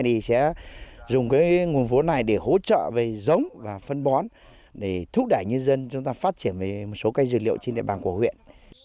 thì sẽ dùng cái nguồn vốn này để hỗ trợ về giống và phân bón để thúc đẩy nhân dân chúng ta phát triển về một số cây dược liệu trên địa bàn của huyện